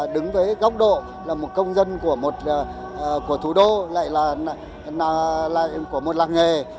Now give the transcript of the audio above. đứng với góc độ là một công dân của một thủ đô lại là của một làng nghề